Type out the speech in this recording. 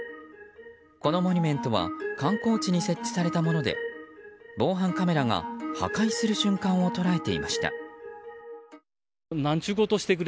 このモニュメントは観光地に設置されたもので防犯カメラが破壊する瞬間を捉えていました。